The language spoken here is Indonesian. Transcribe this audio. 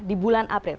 di bulan april